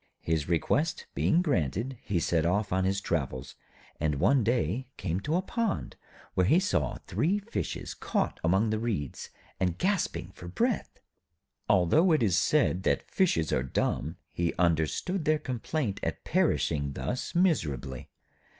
His request being granted, he set off on his travels, and one day came to a pond, where he saw three Fishes caught among the reeds, and gasping for breath. Although it is said that fishes are dumb, he understood their complaint at perishing thus miserably.